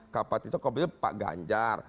kapasitas kompetensi pak ganjar